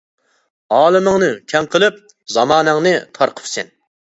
ئالىمىڭنى كەڭ قىلىپ، زامانەڭنى تار قىپسەن.